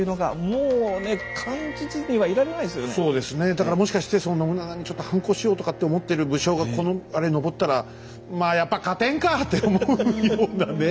だからもしかしてその信長にちょっと反抗しようとかって思ってる武将がこのあれのぼったらまあやっぱ勝てんかって思うようなね。